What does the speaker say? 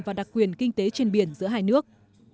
và đặc quyền kinh tế trên biển giữa hai nước